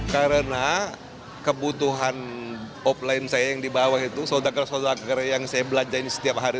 karena kebutuhan offline saya yang dibawah itu sodaker sodaker yang saya belanjain setiap hari